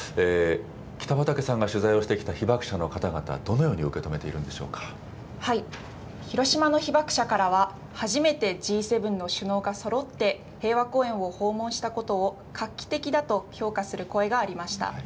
北畑さんが取材をしてきた被爆者の方々、どのように受け止めてい広島の被爆者からは、初めてＧ７の首脳がそろって平和公園を訪問したことを、画期的だと評価する声がありました。